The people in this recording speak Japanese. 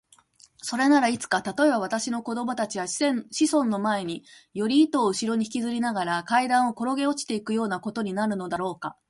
それならいつか、たとえば私の子供たちや子孫たちの前に、より糸をうしろにひきずりながら階段からころげ落ちていくようなことになるのだろうか。